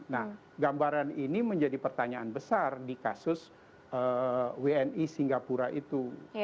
nah gambaran ini menjadi pertanyaan besar di kasus wni singapura itu